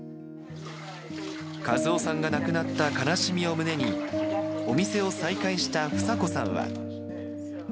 和雄さんが亡くなった悲しみを胸に、お店を再開した房子さんは。